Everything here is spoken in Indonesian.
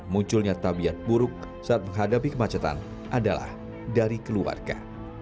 munculnya tabiat buruk saat menghadapi kemacetan adalah dari keluarga